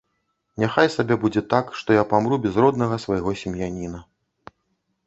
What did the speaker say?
Няхай сабе будзе так, што я памру без роднага свайго сем'яніна.